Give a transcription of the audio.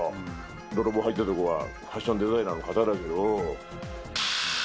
泥棒入った所はファッションデザイナーの方だけど。